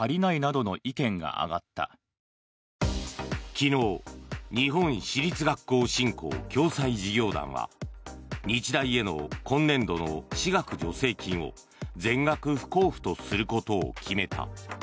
昨日日本私立学校振興・共済事業団は日大への今年度の私学助成金を全額不交付とすることを決めた。